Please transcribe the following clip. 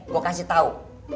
gue kasih tau